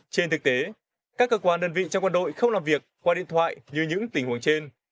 trên thực tế các cơ quan đơn vị trong quân đội không làm việc qua điện thoại như những tình huống trên